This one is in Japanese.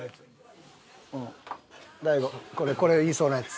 大悟これが言いそうなやつ。